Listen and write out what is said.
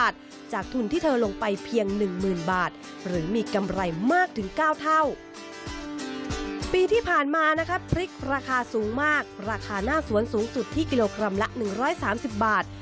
ปีที่ผ่านมาพริกราคาสูงมากราคาหน้าสวนสูงสุดที่กิโลกรัมละ๑๓๐บาท